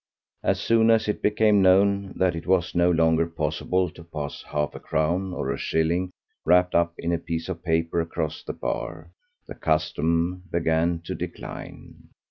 As soon as it became known that it was no longer possible to pass half a crown or a shilling wrapped up in a piece of paper across the bar, their custom began to decline.